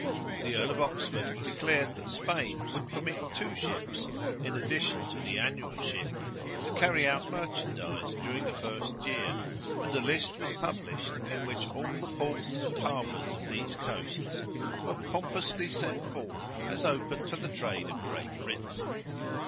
The Earl of Oxford declared that Spain would permit two ships, in addition to the annual ship, to carry out merchandise during the first year; and a list was published, in which all the ports and harbours of these coasts were pompously set forth as open to the trade of Great Britain.